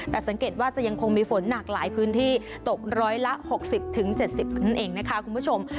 แต่สังเกตว่าจะยังคงมีฝนหนักหลายพื้นที่ตกร้อยละ๖๐๗๐นั่นเองนะคะคุณผู้ชม